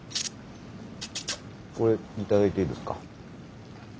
これ頂いていいですか？